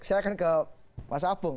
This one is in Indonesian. saya akan ke mas apung